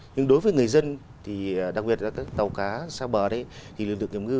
nhưng đối với người dân thì đặc biệt là các tàu cá xa bờ thì lực lượng kiểm ngư